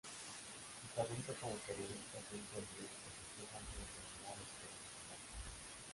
Su talento como periodista se hizo evidente incluso antes de terminar la escuela secundaria.